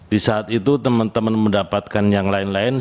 di saat itu teman teman mendapatkan yang lain lain